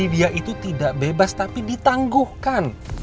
dia itu tidak bebas tapi ditangguhkan